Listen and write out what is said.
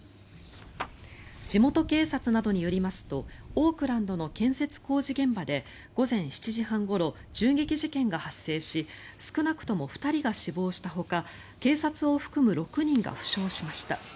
地元警察などによりますとオークランドの建設工事現場で午前７時半ごろ銃撃事件が発生し少なくとも２人が死亡したほか警察を含む６人が負傷しました。